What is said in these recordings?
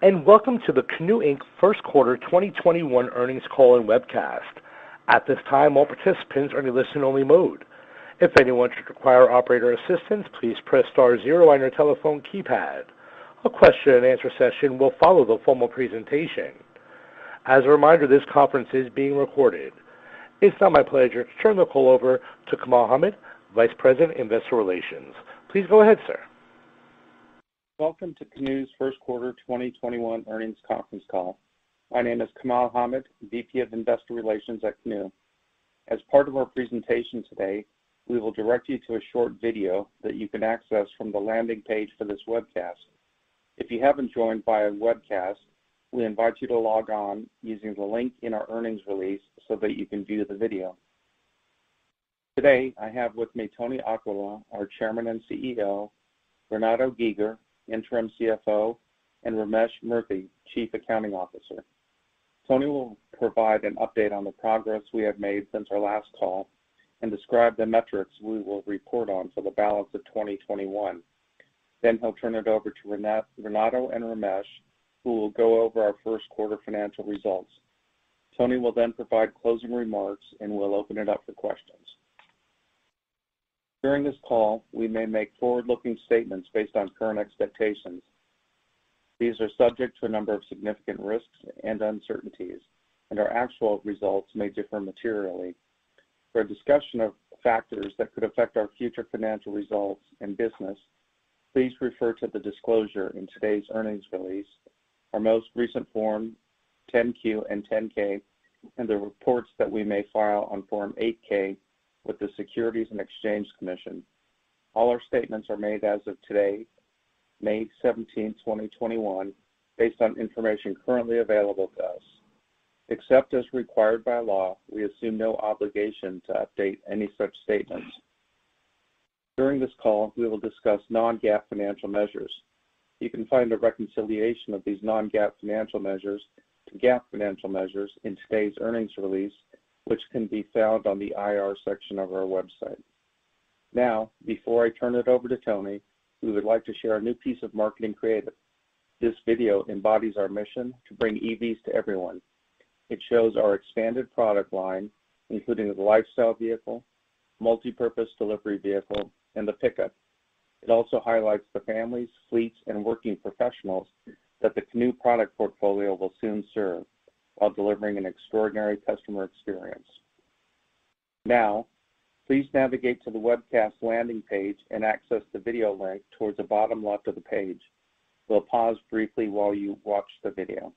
Welcome to the Canoo Inc. First Quarter 2021 Earnings Call and Webcast. At this time, all participants are in listen only mode. If anyone should require operator assistance, please press star zero on your telephone keypad. A question and answer session will follow the formal presentation. As a reminder, this conference is being recorded. It is now my pleasure to turn the call over to Kamal Hamid, Vice President, Investor Relations. Please go ahead, sir. Welcome to Canoo's first quarter 2021 earnings conference call. My name is Kamal Hamid, VP of Investor Relations at Canoo. As part of our presentation today, we will direct you to a short video that you can access from the landing page for this webcast. If you haven't joined via webcast, we invite you to log on using the link in our earnings release so that you can view the video. Today, I have with me Tony Aquila, our Chairman and CEO, Renato Giger, Interim CFO, and Ramesh Murthy, Chief Accounting Officer. Tony will provide an update on the progress we have made since our last call and describe the metrics we will report on for the balance of 2021. He'll turn it over to Renato and Ramesh, who will go over our first quarter financial results. Tony will then provide closing remarks and we'll open it up to questions. During this call, we may make forward-looking statements based on current expectations. These are subject to a number of significant risks and uncertainties, and our actual results may differ materially. For a discussion of factors that could affect our future financial results and business, please refer to the disclosure in today's earnings release, our most recent forms 10-Q and 10-K, and the reports that we may file on Form 8-K with the Securities and Exchange Commission. All our statements are made as of today, May 17, 2021, based on information currently available to us. Except as required by law, we assume no obligation to update any such statements. During this call, we will discuss non-GAAP financial measures. You can find a reconciliation of these non-GAAP financial measures to GAAP financial measures in today's earnings release, which can be found on the IR section of our website. Now, before I turn it over to Tony, we would like to share a new piece of marketing creative. This video embodies our mission to bring EVs to everyone. It shows our expanded product line, including the Lifestyle Vehicle, Multi-Purpose Delivery Vehicle, and the Pickup. It also highlights the families, fleets, and working professionals that the Canoo product portfolio will soon serve while delivering an extraordinary customer experience. Now, please navigate to the webcast landing page and access the video link towards the bottom left of the page. We'll pause briefly while you watch the video.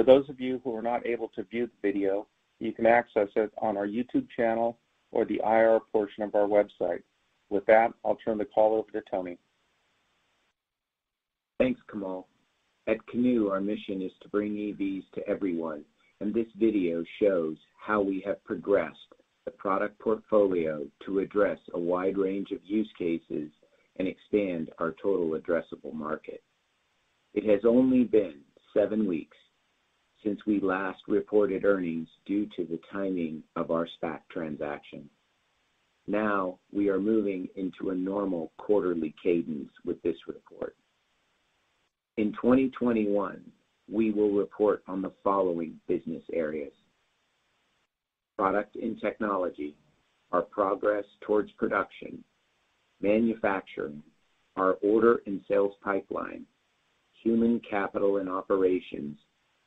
For those of you who are not able to view the video, you can access it on our YouTube channel or the IR portion of our website. With that, I'll turn the call over to Tony. Thanks, Kamal. At Canoo, our mission is to bring EVs to everyone. This video shows how we have progressed the product portfolio to address a wide range of use cases and expand our Total Addressable Market. It has only been seven weeks since we last reported earnings due to the timing of our SPAC transaction. We are moving into a normal quarterly cadence with this report. In 2021, we will report on the following business areas: product and technology, our progress towards production, manufacturing, our order and sales pipeline, human capital and operations,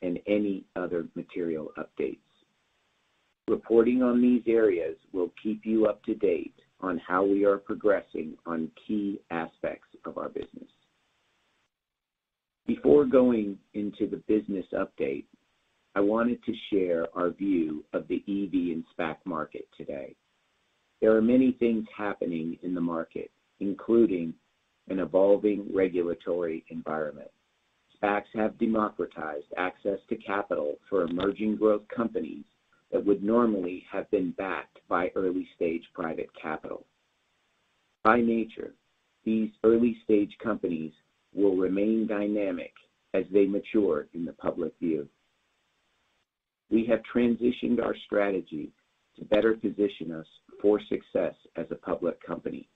and any other material updates. Reporting on these areas will keep you up to date on how we are progressing on key aspects of our business. Before going into the business update, I wanted to share our view of the EV and SPAC market today. There are many things happening in the market, including an evolving regulatory environment. SPACs have democratized access to capital for emerging growth companies that would normally have been backed by early-stage private capital. By nature, these early-stage companies will remain dynamic as they mature in the public view. We have transitioned our strategy to better position us for success as a public company.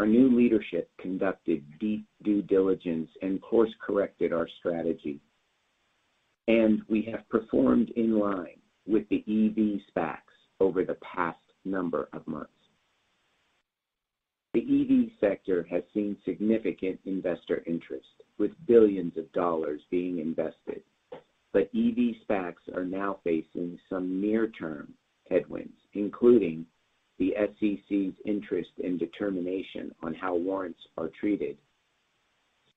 Our new leadership conducted deep due diligence and course-corrected our strategy, and we have performed in line with the EV SPACs over the past number of months. The EV sector has seen significant investor interest, with billions of dollars being invested. EV SPACs are now facing some near-term headwinds, including the SEC's interest and determination on how warrants are treated,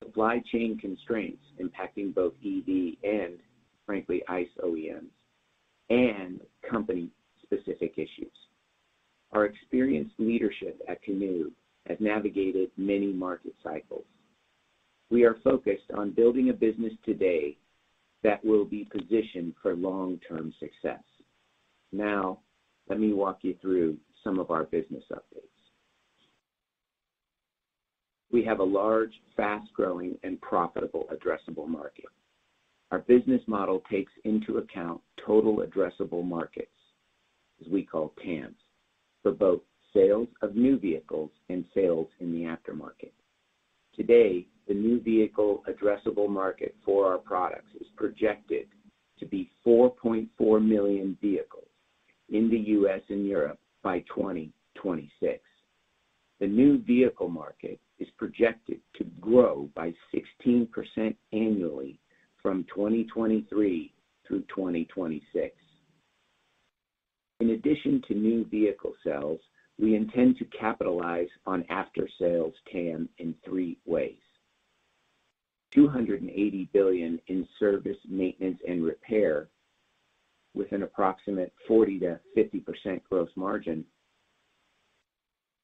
supply chain constraints impacting both EV and, frankly, ICE OEMs, and company-specific issues. Our experienced leadership at Canoo has navigated many market cycles. We are focused on building a business today that will be positioned for long-term success. Let me walk you through some of our business updates. We have a large, fast-growing, and profitable addressable market. Our business model takes into account total addressable markets, as we call TAMs, for both sales of new vehicles and sales in the aftermarket. Today, the new vehicle addressable market for our products is projected to be 4.4 million vehicles in the U.S. and Europe by 2026. The new vehicle market is projected to grow by 16% annually from 2023 through 2026. In addition to new vehicle sales, we intend to capitalize on after-sales TAM in three ways: $280 billion in service, maintenance, and repair with an approximate 40%-50% gross margin,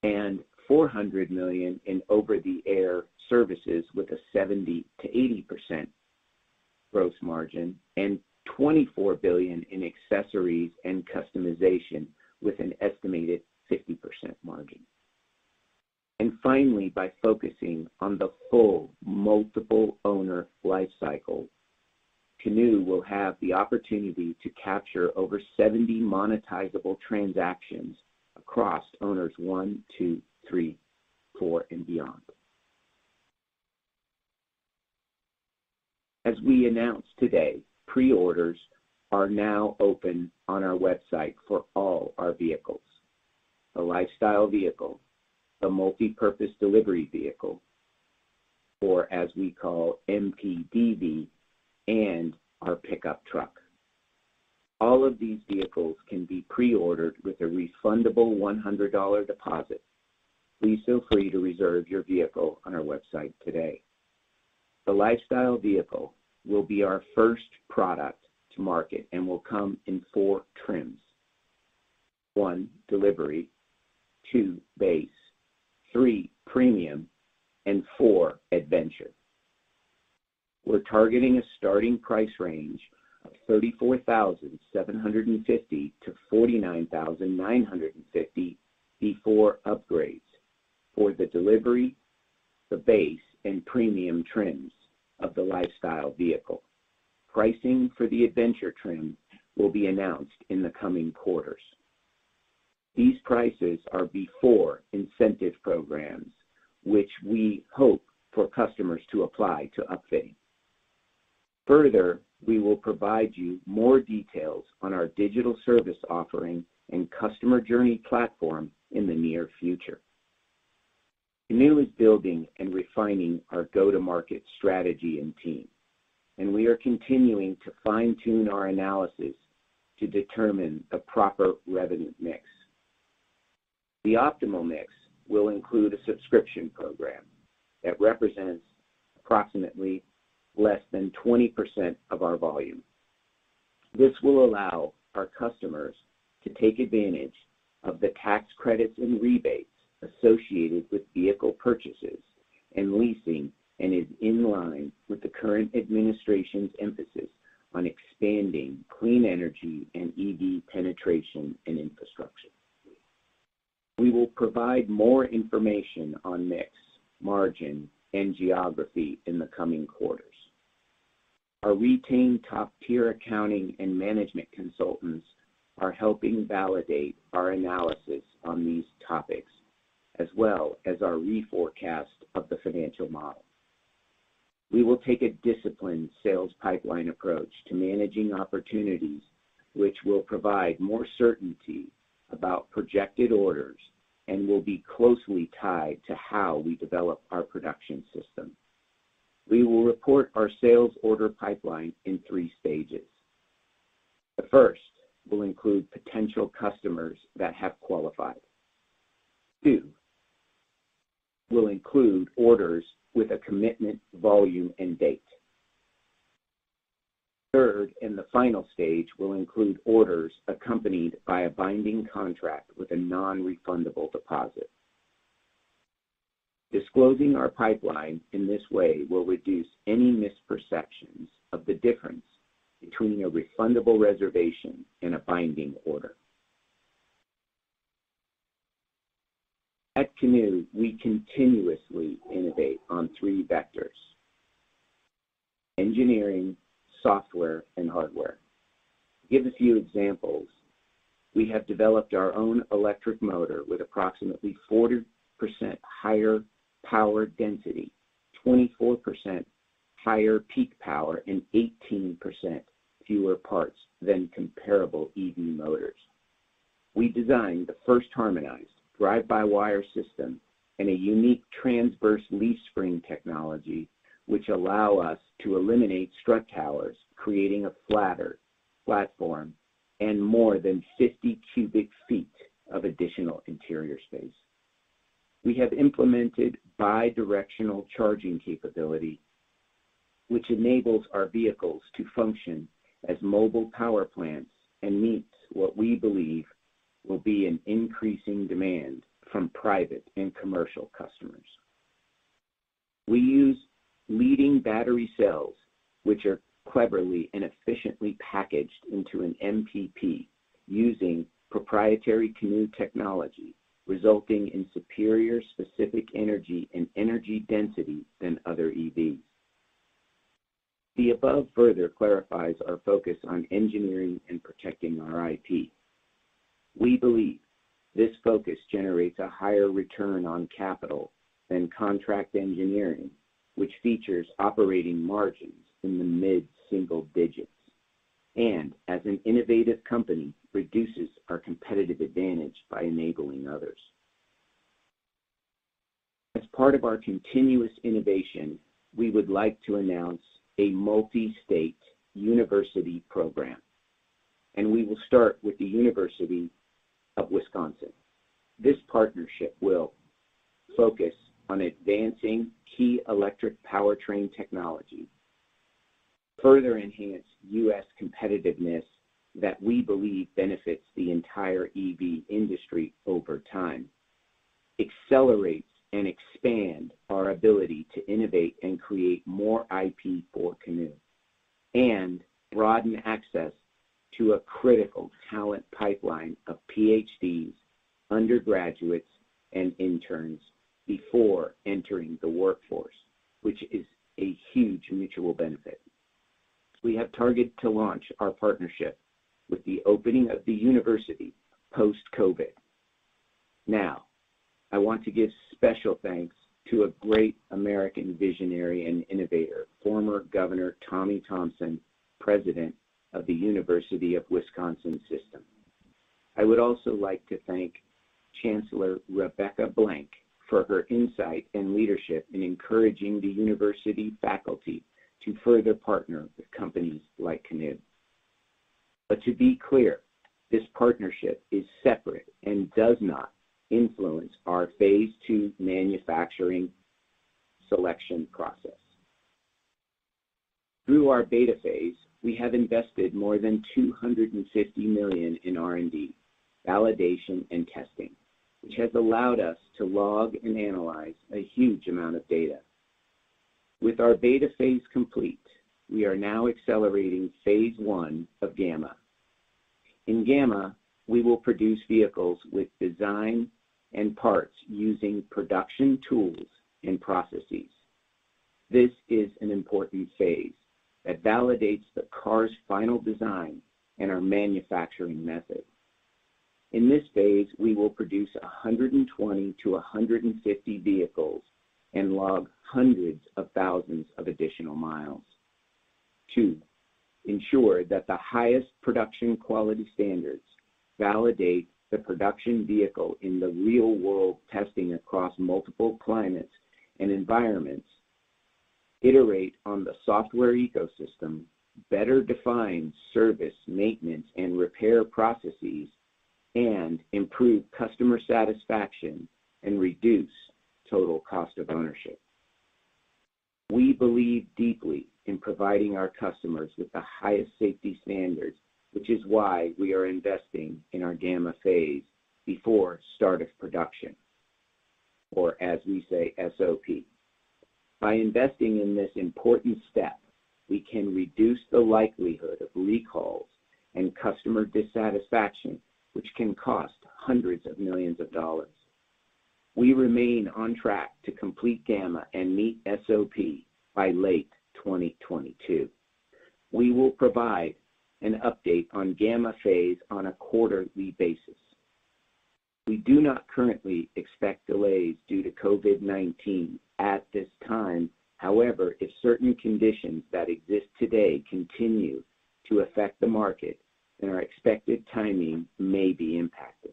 and $400 million in over-the-air services with a 70%-80% gross margin, and $24 billion in accessories and customization with an estimated 50% margin. Finally, by focusing on the full multiple owner life cycles, Canoo will have the opportunity to capture over 70 monetizable transactions across owners 1, 2, 3, 4, and beyond. As we announced today, pre-orders are now open on our website for all our vehicles. The Lifestyle Vehicle, the Multi-Purpose Delivery Vehicle, or as we call MPDV, and our Pickup Truck. All of these vehicles can be pre-ordered with a refundable $100 deposit. Please feel free to reserve your vehicle on our website today. The Lifestyle Vehicle will be our first product to market and will come in four trims. 1, Delivery, 2, Base, 3, Premium, and 4, Adventure. We're targeting a starting price range of $34,750-$49,950 before upgrades for the Delivery, Base, and Premium trims of the Lifestyle Vehicle. Pricing for the Adventure trim will be announced in the coming quarters. These prices are before incentive programs, which we hope for customers to apply to upstate. We will provide you more details on our digital service offering and customer journey platform in the near future. Canoo is building and refining our go-to-market strategy and team, and we are continuing to fine-tune our analysis to determine the proper revenue mix. The optimal mix will include a subscription program that represents approximately less than 20% of our volume. This will allow our customers to take advantage of the tax credits and rebates associated with vehicle purchases and leasing and is in line with the current administration's emphasis on expanding clean energy and EV penetration and infrastructure. We will provide more information on mix, margin, and geography in the coming quarters. Our retained top-tier accounting and management consultants are helping validate our analysis on these topics, as well as our reforecast of the financial model. We will take a disciplined sales pipeline approach to managing opportunities, which will provide more certainty about projected orders and will be closely tied to how we develop our production system. We will report our sales order pipeline in three stages. The first will include potential customers that have qualified. Two, will include orders with a commitment volume and date. Third, the final stage will include orders accompanied by a binding contract with a non-refundable deposit. Disclosing our pipeline in this way will reduce any misperceptions of the difference between a refundable reservation and a binding order. At Canoo, we continuously innovate on three vectors: engineering, software, and hardware. To give a few examples, we have developed our own electric motor with approximately 40% higher power density, 24% higher peak power, and 18% fewer parts than comparable EV motors. We designed the first harmonized drive-by-wire system and a unique transverse leaf spring technology, which allow us to eliminate strut towers, creating a flatter platform and more than 50 cubic feet of additional interior space. We have implemented bi-directional charging capability, which enables our vehicles to function as mobile power plants and meets what we believe will be an increasing demand from private and commercial customers. We use leading battery cells, which are cleverly and efficiently packaged into an MPP using proprietary Canoo technology, resulting in superior specific energy and energy density than other EVs. The above further clarifies our focus on engineering and protecting our IP. We believe this focus generates a higher return on capital than contract engineering, which features operating margins in the mid-single digits. As an innovative company, reduces our competitive advantage by enabling others. As part of our continuous innovation, we would like to announce a multi-state university program, and we will start with the University of Wisconsin. This partnership will focus on advancing key electric powertrain technologies, further enhance U.S. competitiveness that we believe benefits the entire EV industry over time, accelerate and expand our ability to innovate and create more IP for Canoo, and broaden access to a critical talent pipeline of PhDs, undergraduates, and interns before entering the workforce, which is a huge mutual benefit. We have targeted to launch our partnership with the opening of the university post-COVID. I want to give special thanks to a great American visionary and innovator, former Governor Tommy Thompson, President of the University of Wisconsin System. I would also like to thank Chancellor Rebecca Blank for her insight and leadership in encouraging the university faculty to further partner with companies like Canoo. To be clear, this partnership is separate and does not influence our phase II manufacturing selection process. Through our beta phase, we have invested more than $250 million in R&D, validation, and testing, which has allowed us to log and analyze a huge amount of data. With our beta phase complete, we are now accelerating phase I of gamma. In gamma, we will produce vehicles with design and parts using production tools and processes. This is an important phase that validates the car's final design and our manufacturing methods. In this phase, we will produce 120-150 vehicles and log hundreds of thousands of additional miles to ensure that the highest production quality standards validate the production vehicle in the real-world testing across multiple climates and environments, iterate on the software ecosystem, better define service, maintenance, and repair processes, and improve customer satisfaction and reduce total cost of ownership. We believe deeply in providing our customers with the highest safety standards, which is why we are investing in our gamma phase before start of production, or as we say, SOP. By investing in this important step, we can reduce the likelihood of recalls and customer dissatisfaction, which can cost hundreds of millions of dollars. We remain on track to complete gamma and meet SOP by late 2022. We will provide an update on gamma phase on a quarterly basis. We do not currently expect delays due to COVID-19 at this time. If certain conditions that exist today continue to affect the market, then our expected timing may be impacted.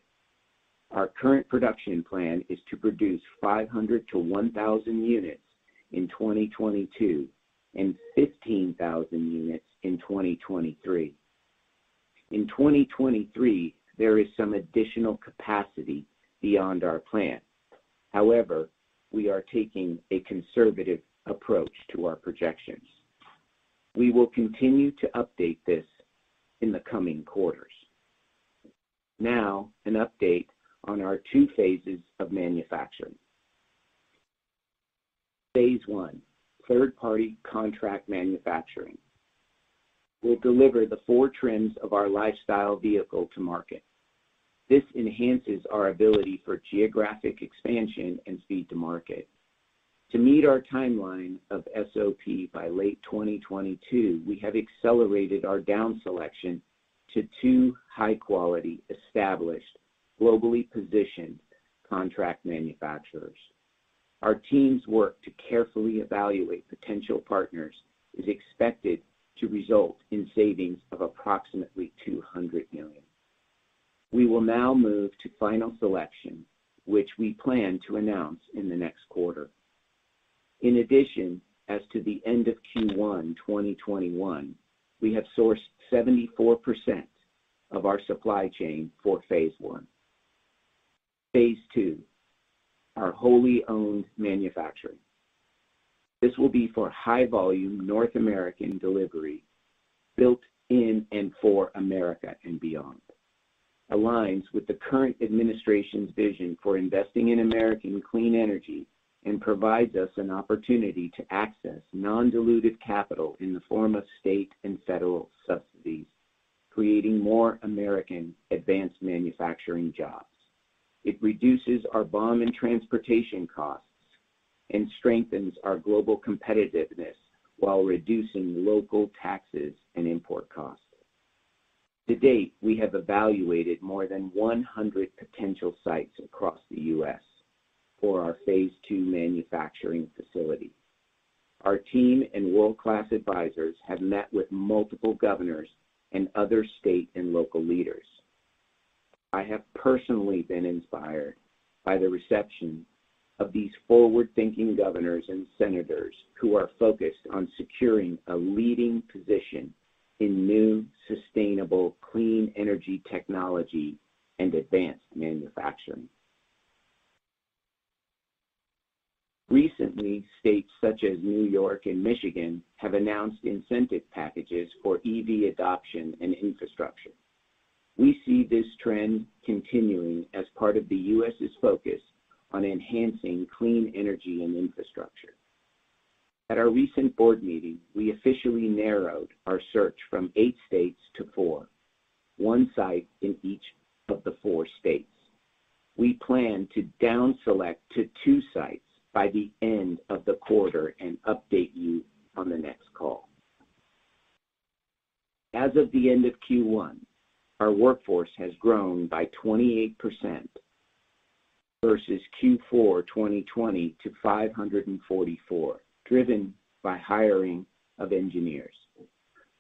Our current production plan is to produce 500-1,000 units in 2022 and 15,000 units in 2023. In 2023, there is some additional capacity beyond our plan. We are taking a conservative approach to our projections. We will continue to update this in the coming quarters. An update on our two phases of manufacturing. Phase I, third-party contract manufacturing will deliver the 4 trims of our Lifestyle Vehicle to market. This enhances our ability for geographic expansion and speed to market. To meet our timeline of SOP by late 2022, we have accelerated our down selection to two high-quality, established, globally positioned contract manufacturers. Our team's work to carefully evaluate potential partners is expected to result in savings of approximately $200 million. We will now move to final selection, which we plan to announce in the next quarter. In addition, as to the end of Q1 2021, we have sourced 74% of our supply chain for Phase I. Phase II, our wholly owned manufacturing. This will be for high-volume North American delivery built in and for America and beyond. Aligns with the current administration's vision for investing in American clean energy and provides us an opportunity to access non-diluted capital in the form of state and federal subsidies, creating more American advanced manufacturing jobs. It reduces our bond and transportation costs and strengthens our global competitiveness while reducing local taxes and import costs. To date, we have evaluated more than 100 potential sites across the U.S. for our phase II manufacturing facility. Our team and world-class advisors have met with multiple governors and other state and local leaders. I have personally been inspired by the reception of these forward-thinking governors and senators who are focused on securing a leading position in new, sustainable, clean energy technology and advanced manufacturing. Recently, states such as New York and Michigan have announced incentive packages for EV adoption and infrastructure. We see this trend continuing as part of the U.S.'s focus on enhancing clean energy and infrastructure. At our recent board meeting, we officially narrowed our search from eight states to four, one site in each of the four states. We plan to down select to two sites by the end of the quarter and update you on the next call. As of the end of Q1, our workforce has grown by 28% versus Q4 2020 to 544, driven by hiring of engineers.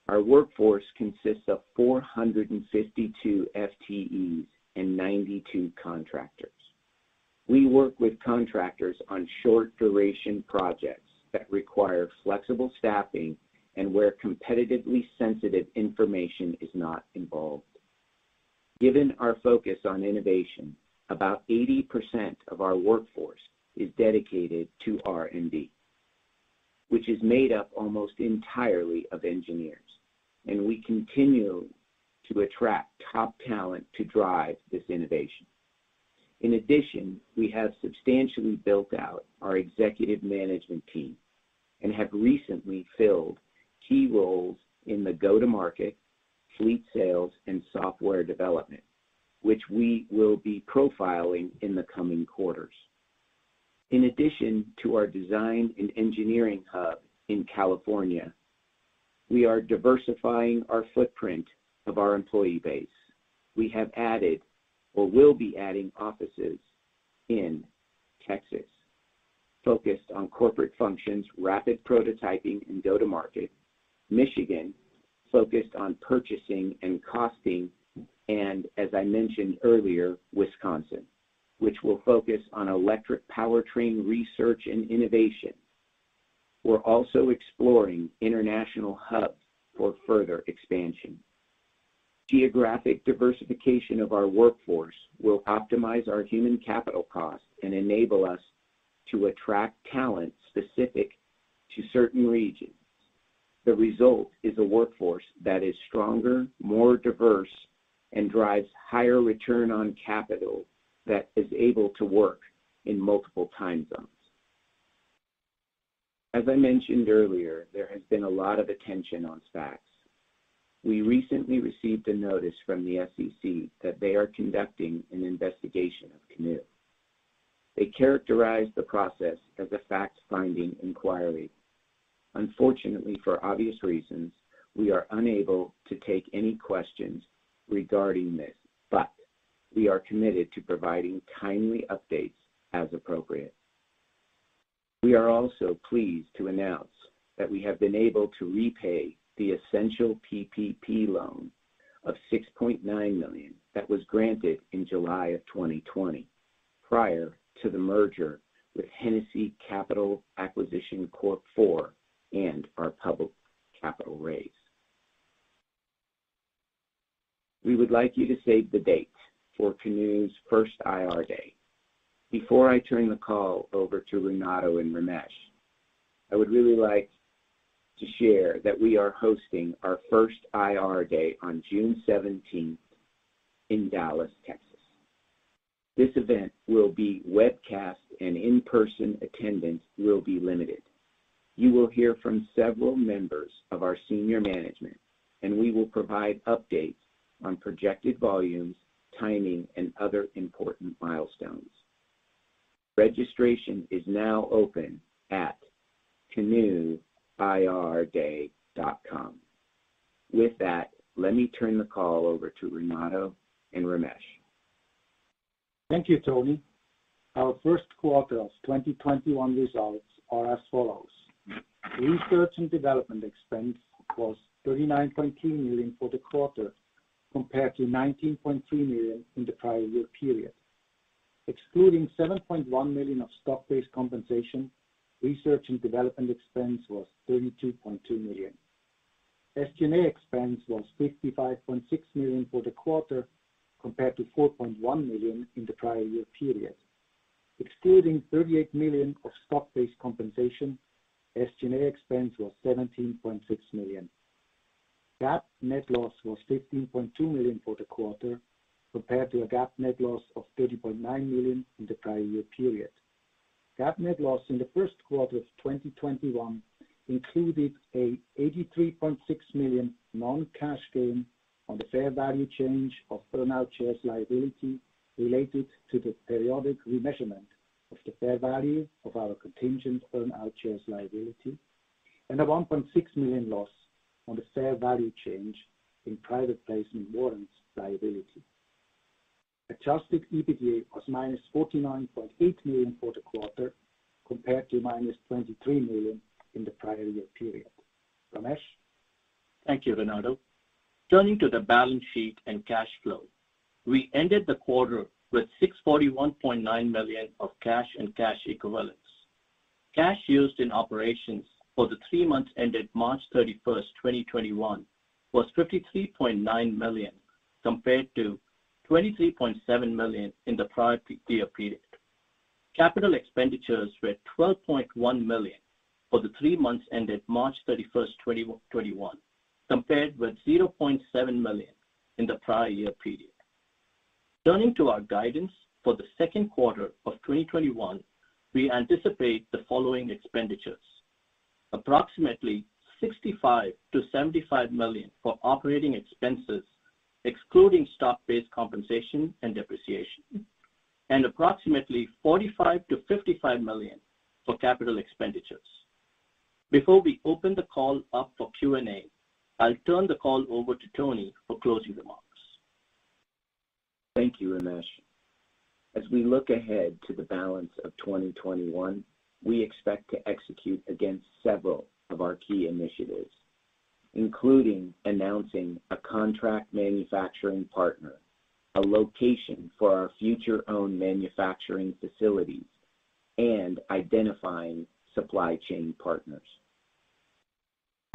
Our workforce consists of 452 FTEs and 92 contractors. We work with contractors on short-duration projects that require flexible staffing and where competitively sensitive information is not involved. Given our focus on innovation, about 80% of our workforce is dedicated to R&D, which is made up almost entirely of engineers, and we continue to attract top talent to drive this innovation. In addition, we have substantially built out our executive management team and have recently filled key roles in the go-to-market, fleet sales, and software development, which we will be profiling in the coming quarters. In addition to our design and engineering hub in California, we are diversifying our footprint of our employee base. We have added or will be adding offices in Texas, focused on corporate functions, rapid prototyping, and go-to-market, Michigan, focused on purchasing and costing, as I mentioned earlier, Wisconsin, which will focus on electric powertrain research and innovation. We're also exploring international hubs for further expansion. Geographic diversification of our workforce will optimize our human capital costs and enable us to attract talent specific to certain regions. The result is a workforce that is stronger, more diverse, and drives higher return on capital that is able to work in multiple time zones. As I mentioned earlier, there has been a lot of attention on SPACs. We recently received a notice from the SEC that they are conducting an investigation of Canoo. They characterized the process as a fact-finding inquiry. Unfortunately, for obvious reasons, we are unable to take any questions regarding this, but we are committed to providing timely updates as appropriate. We are also pleased to announce that we have been able to repay the essential PPP loan of $6.9 million that was granted in July of 2020 prior to the merger with Hennessy Capital Acquisition Corp. IV and our public capital raise. We would like you to save the date for Canoo's first IR Day. Before I turn the call over to Renato and Ramesh, I would really like to share that we are hosting our first IR Day on June 17th in Dallas, Texas. This event will be webcast and in-person attendance will be limited. You will hear from several members of our senior management, and we will provide updates on projected volumes, timing, and other important milestones. Registration is now open at canooirday.com. With that, let me turn the call over to Renato and Ramesh. Thank you, Tony. Our first quarter of 2021 results are as follows. Research and development expense was $39.2 million for the quarter, compared to $19.3 million in the prior year period. Excluding $7.1 million of stock-based compensation, research and development expense was $32.2 million. SG&A expense was $55.6 million for the quarter, compared to $4.1 million in the prior year period. Excluding $38 million of stock-based compensation, SG&A expense was $17.6 million. GAAP net loss was $15.2 million for the quarter, compared to a GAAP net loss of $30.9 million in the prior year period. GAAP net loss in the first quarter of 2021 included an $83.6 million non-cash gain on the fair value change of earn-out shares liability related to the periodic remeasurement of the fair value of our contingent earn-out shares liability and a $1.6 million loss on the fair value change in private placement warrants liability. Adjusted EBITDA was -$49.8 million for the quarter, compared to -$23 million in the prior year period. Ramesh? Thank you, Renato. Turning to the balance sheet and cash flow, we ended the quarter with $641.9 million of cash and cash equivalents. Cash used in operations for the three months ended March 31st, 2021, was $53.9 million, compared to $23.7 million in the prior year period. Capital expenditures were $12.1 million for the three months ended March 31st, 2021, compared with $0.7 million in the prior year period. Turning to our guidance for the second quarter of 2021, we anticipate the following expenditures. Approximately $65 million-$75 million for operating expenses, excluding stock-based compensation and depreciation, and approximately $45 million-$55 million for capital expenditures. Before we open the call up for Q&A, I'll turn the call over to Tony for closing remarks. Thank you, Ramesh. As we look ahead to the balance of 2021, we expect to execute against several of our key initiatives, including announcing a contract manufacturing partner, a location for our future own manufacturing facilities, and identifying supply chain partners.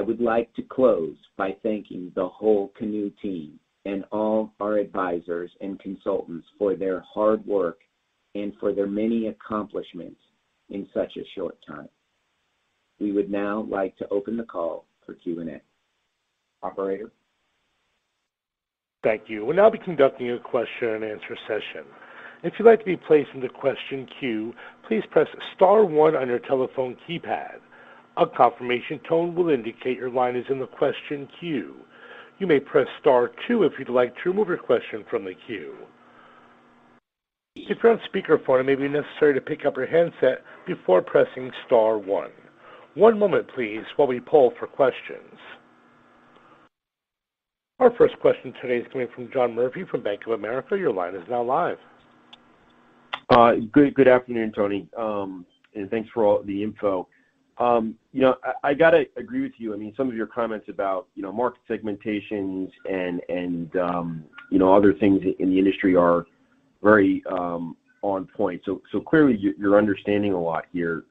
I would like to close by thanking the whole Canoo team and all our advisors and consultants for their hard work and for their many accomplishments in such a short time. We would now like to open the call for Q&A. Operator? Thank you. We'll now be conducting a question and answer session. If you would like to be placed in the question queue, please press star one on telephone keypad. A confirmation tone will indicate your line is in the question queue. You may press star two if you would like to remove your question from the queue. If you're on speaker phone it may be necessary to pick up your handset before pressing star one. One moment please while poll for questions. Our first question today is coming from John Murphy from Bank of America. Your line is now live. Good afternoon, Tony, and thanks for all the info. I got to agree with you. Some of your comments about market segmentations and other things in the industry are very on point. Clearly, you're understanding a lot here.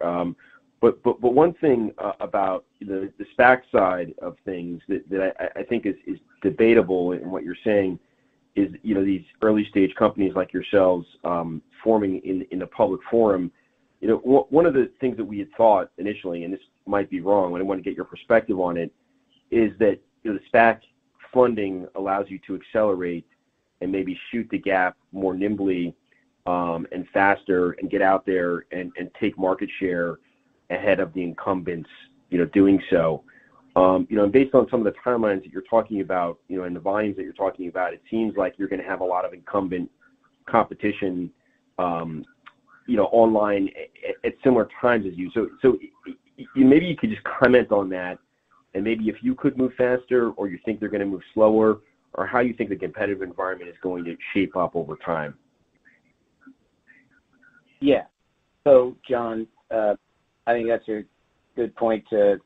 One thing about the SPAC side of things that I think is debatable in what you're saying is these early-stage companies like yourselves forming in a public forum. One of the things that we had thought initially, and this might be wrong, I want to get your perspective on it, is that the SPAC funding allows you to accelerate and maybe shoot the gap more nimbly and faster and get out there and take market share ahead of the incumbents doing so. Based on some of the timelines that you're talking about and the volumes that you're talking about, it seems like you're going to have a lot of incumbent competition online at similar times as you. Maybe you could just comment on that and maybe if you could move faster or you think they're going to move slower, or how you think the competitive environment is going to shape up over time. Yeah. John, I think that's a good point to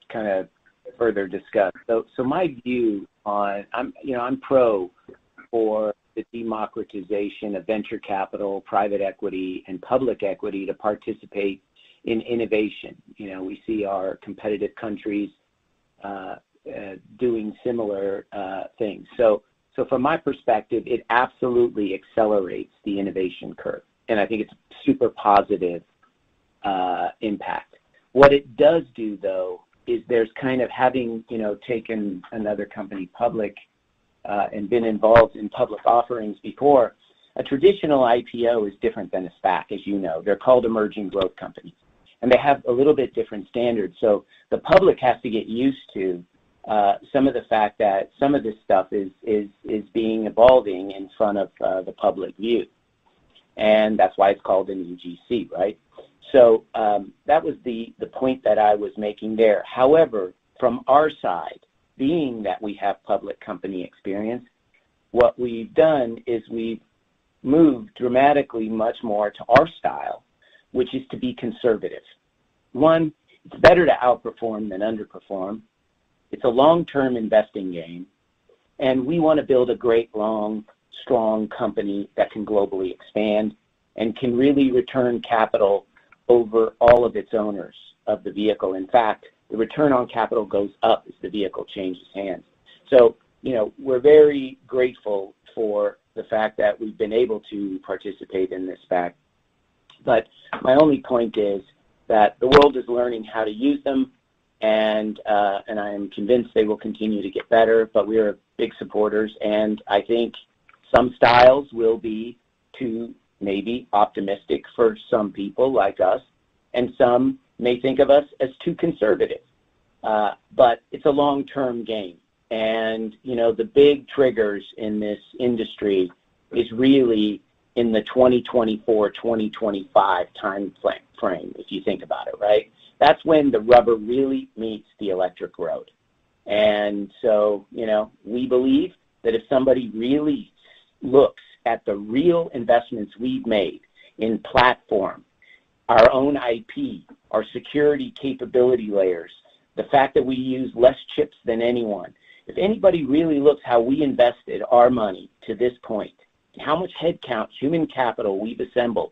further discuss. My view, I'm pro for the democratization of venture capital, private equity, and public equity to participate in innovation. We see our competitive countries doing similar things. From my perspective, it absolutely accelerates the innovation curve, and I think it's a super positive impact. What it does do, though, is there's kind of having taken another company public, and been involved in public offerings before, a traditional IPO is different than a SPAC, as you know. They're called emerging growth companies, and they have a little bit different standards. The public has to get used to some of the fact that some of this stuff is evolving in front of the public view, and that's why it's called an EGC, right? That was the point that I was making there. However, from our side, being that we have public company experience, what we've done is we've moved dramatically much more to our style, which is to be conservative. One, it's better to outperform than underperform. It's a long-term investing game, and we want to build a great, long, strong company that can globally expand and can really return capital over all of its owners of the vehicle. In fact, the return on capital goes up as the vehicle changes hands. We're very grateful for the fact that we've been able to participate in this SPAC. My only point is that the world is learning how to use them and I am convinced they will continue to get better, but we are big supporters, and I think some styles will be too maybe optimistic for some people like us, and some may think of us as too conservative. It's a long-term game, and the big triggers in this industry is really in the 2024, 2025 time frame, if you think about it, right? That's when the rubber really meets the electric road. We believe that if somebody really looks at the real investments we've made in platform, our own IP, our security capability layers, the fact that we use less chips than anyone. If anybody really looks how we invested our money to this point, how much headcount, human capital we've assembled,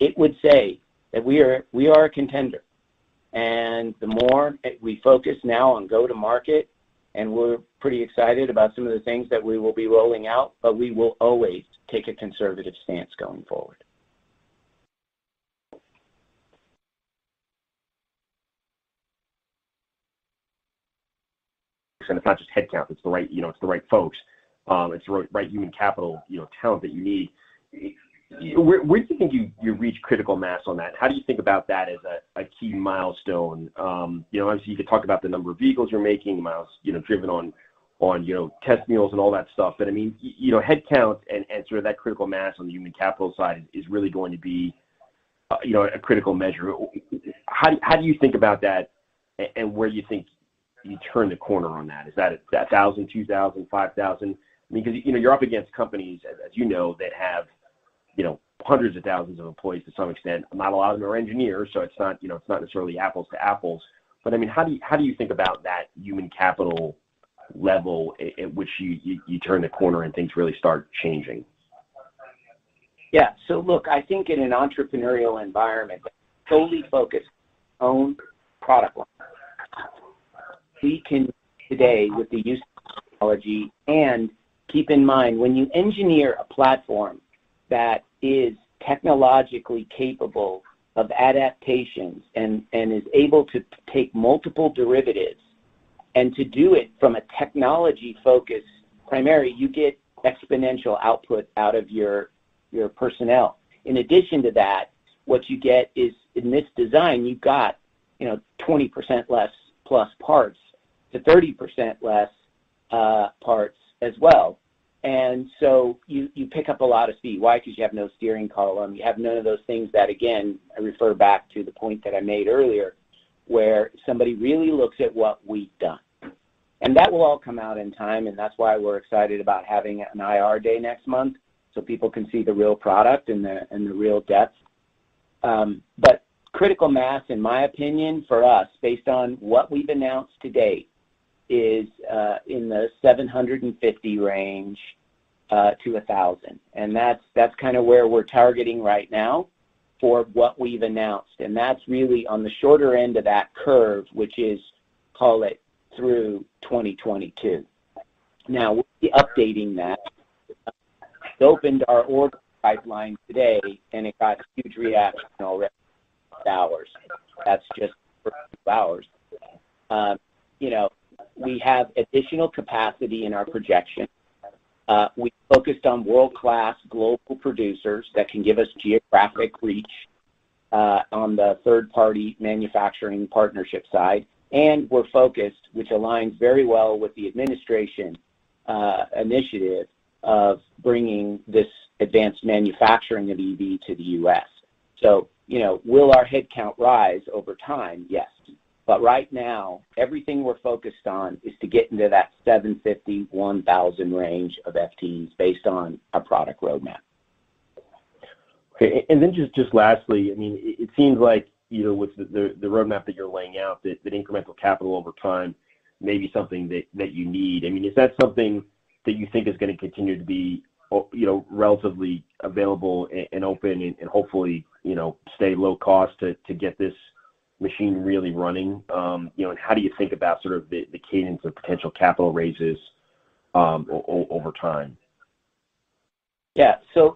it would say that we are a contender. The more we focus now on go-to-market, and we're pretty excited about some of the things that we will be rolling out, but we will always take a conservative stance going forward. It's not just headcount, it's the right folks. It's the right human capital talent that you need. Where do you think you reach critical mass on that? How do you think about that as a key milestone? Obviously, you can talk about the number of vehicles you're making, driven on test miles and all that stuff. Headcount and sort of that critical mass on the human capital side is really going to be a critical measure. How do you think about that, and where do you think you turn the corner on that? Is that 1,000, 2,000, 5,000? Because you're up against companies, as you know, that have hundreds of thousands of employees to some extent, not a lot of no engineers, so it's not necessarily apples to apples. How do you think about that human capital level at which you turn the corner and things really start changing? Look, I think in an entrepreneurial environment, totally focused on our own product line. We can today with the use of technology, and keep in mind, when you engineer a platform that is technologically capable of adaptations and is able to take multiple derivatives, and to do it from a technology focus primarily, you get exponential output out of your personnel. In addition to that, what you get is in this design, you've got 20% less plus parts to 30% less parts as well. You pick up a lot of speed. Why? Because you have no steering column. You have none of those things that, again, I refer back to the point that I made earlier, where somebody really looks at what we've done. That will all come out in time, and that's why we're excited about having an IR day next month so people can see the real product and the real depth. Critical mass, in my opinion, for us, based on what we've announced to date, is in the 750 range to 1,000. That's kind of where we're targeting right now for what we've announced. That's really on the shorter end of that curve, which is, call it, through 2022. Now, we'll be updating that. We opened our order pipeline today, and it got huge reaction already in a few hours. That's just the first few hours. We have additional capacity in our projection. We focused on world-class global producers that can give us geographic reach on the third-party manufacturing partnership side. We're focused, which aligns very well with the administration initiative of bringing this advanced manufacturing of EV to the U.S. Will our headcount rise over time? Yes. But right now, everything we're focused on is to get into that 750, 1,000 range of FTEs based on our product roadmap. Okay. Just lastly, it seems like with the roadmap that you're laying out, that incremental capital over time may be something that you need. Is that something that you think is going to continue to be relatively available and open, and hopefully, stay low cost to get this machine really running? How do you think about the cadence of potential capital raises over time?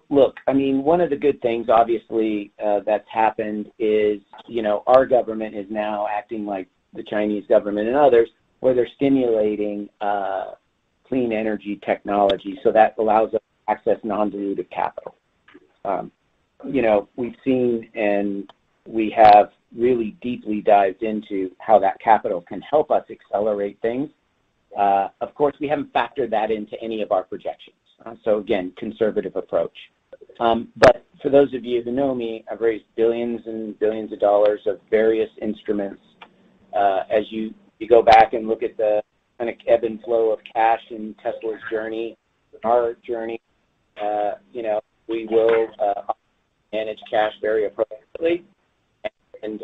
Look, one of the good things, obviously, that's happened is our government is now acting like the Chinese Government and others, where they're stimulating clean energy technology. That allows us to access non-dilutive capital. We've seen, and we have really deeply dived into how that capital can help us accelerate things. Of course, we haven't factored that into any of our projections. Again, conservative approach. For those of you that know me, I've raised billions and billions of dollars of various instruments. As you go back and look at the kind of ebb and flow of cash in Tesla's journey, our journey, we will obviously manage cash very appropriately,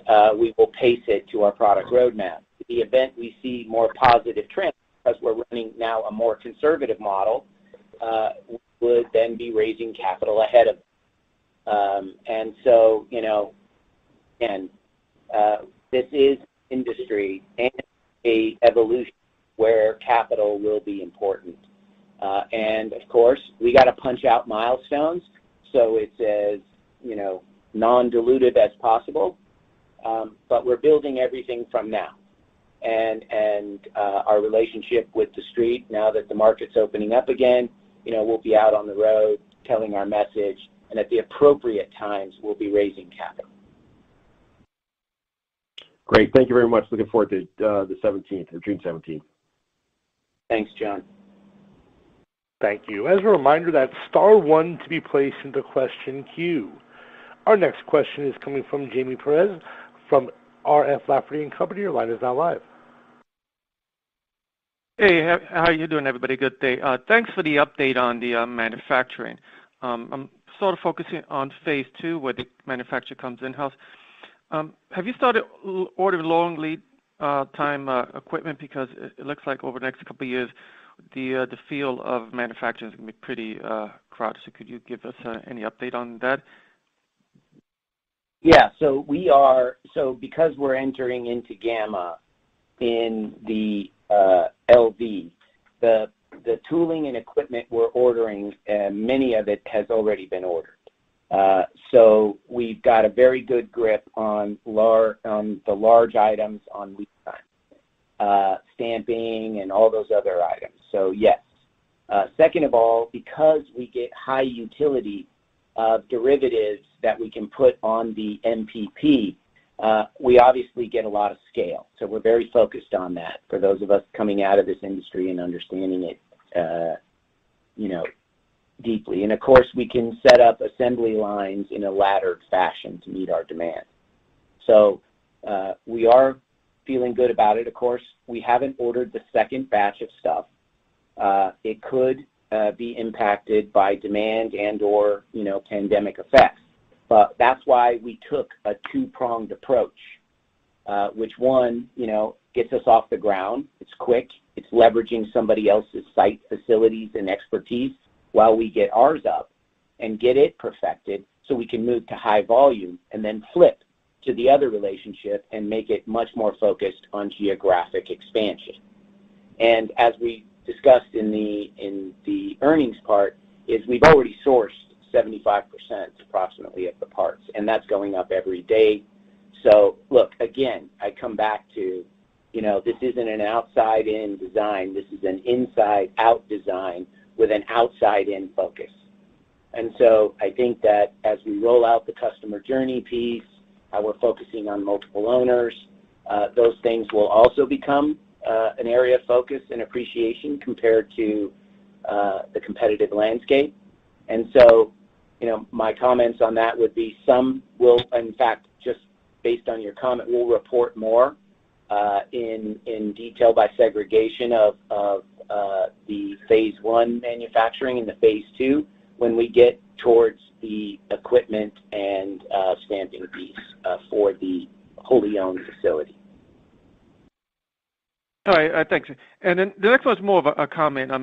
and we will pace it to our product roadmap. To the extent we see more positive trends, because we're running now a more conservative model, we'll then be raising capital ahead of it. Again, this is an industry and an evolution where capital will be important. Of course, we got to punch out milestones, so it's as non-dilutive as possible. We're building everything from now. Our relationship with the Street, now that the market's opening up again, we'll be out on the road telling our message, and at the appropriate times, we'll be raising capital. Great. Thank you very much. Looking forward to June 17th. Thanks, John. Thank you. As a reminder, that's star one to be placed into question queue. Our next question is coming from Jaime Perez from R.F. Lafferty & Company. Your line is now live. Hey, how are you doing, everybody? Good day. Thanks for the update on the manufacturing. I'm sort of focusing on phase II, where the manufacturing comes in-house. Have you started ordering long lead time equipment? It looks like over the next couple years, the field of manufacturing is going to be pretty crowded. Could you give us any update on that? Yeah, because we're entering into gamma in the LV, the tooling and equipment we're ordering, and many of it has already been ordered. We've got a very good grip on the large items on lead time, stamping and all those other items. Yes. Second of all, because we get high utility of derivatives that we can put on the MPP, we obviously get a lot of scale. We're very focused on that for those of us coming out of this industry and understanding it deeply. Of course, we can set up assembly lines in a laddered fashion to meet our demand. We are feeling good about it, of course. We haven't ordered the second batch of stuff. It could be impacted by demand and/or pandemic effects. That's why we took a two-pronged approach, which one gets us off the ground. It's quick. It's leveraging somebody else's site facilities and expertise while we get ours up and get it perfected so we can move to high volume and then flip to the other relationship and make it much more focused on geographic expansion. As we discussed in the earnings part, we've already sourced 75% approximately of the parts, and that's going up every day. Look, again, I come back to, this isn't an outside-in design. This is an inside-out design with an outside-in focus. I think that as we roll out the customer journey piece, how we're focusing on multiple owners, those things will also become an area of focus and appreciation compared to the competitive landscape. My comments on that would be some will, in fact, just based on your comment, we'll report more in detail by segregation of the phase I manufacturing and the phase II when we get towards the equipment and stamping piece for the wholly-owned facility. All right. Thank you. The next one's more of a comment.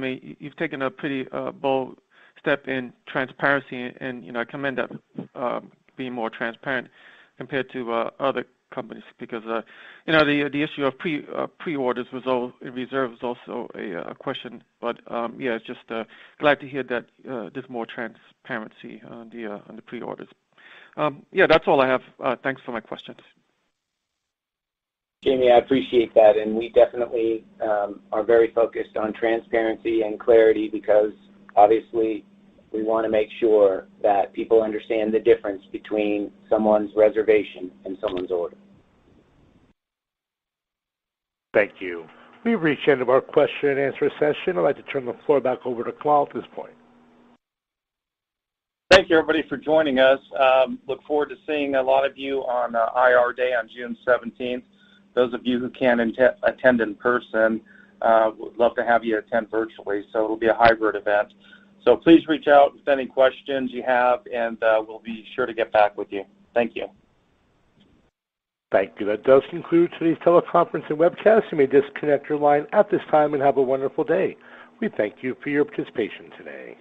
You've taken a pretty bold step in transparency, and I commend that, being more transparent compared to other companies because the issue of pre-orders reserve is also a question. Just glad to hear that there's more transparency on the pre-orders. That's all I have. Thanks for my questions. Jaime, I appreciate that. We definitely are very focused on transparency and clarity because obviously we want to make sure that people understand the difference between someone's reservation and someone's order. Thank you. We've reached the end of our question and answer session. I'd like to turn the floor back over to Kamal at this point. Thank you, everybody, for joining us. Look forward to seeing a lot of you on IR Day on June 17. Those of you who can attend in person, would love to have you attend virtually. It'll be a hybrid event. Please reach out with any questions you have, and we'll be sure to get back with you. Thank you. Thank you. That does conclude today's teleconference and webcast. You may disconnect your line at this time, and have a wonderful day. We thank you for your participation today.